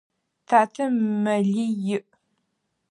Татэ мэлий иӏ.